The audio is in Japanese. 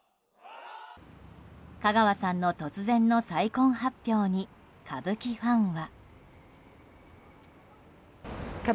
香川さんの突然の再婚発表に歌舞伎ファンは。